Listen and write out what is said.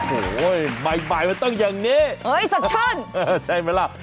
โอ้โหมาอีกบ่ายมาตั้งอย่างนี้เฮ้ยสะเชิญใช่ไหมล่ะ